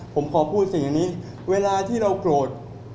ผมขอพูดสิ่งอย่างนี้เวลาที่เราโกรธ